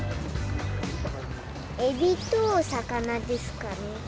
エビと魚ですかね。